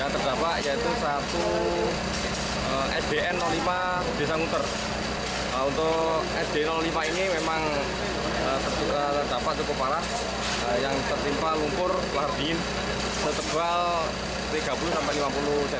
terima lumpur lahar din setebal tiga puluh lima puluh cm